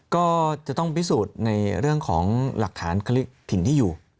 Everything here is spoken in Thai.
ก็จะต้องพิสูจน์ในเรื่องของหลักฐานถิ่นที่อยู่